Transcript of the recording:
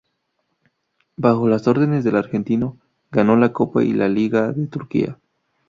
Bajo las órdenes del argentino, ganó la Copa y la Liga de Turquía.